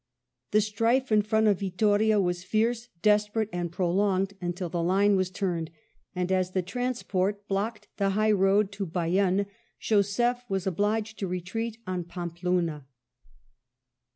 The strife in front of Vittoria was fierce, desperate, and prolonged until the line was turned ; and as the transport blocked the high road to Bayonne, Joseph was obliged to retreat on Pampeluna.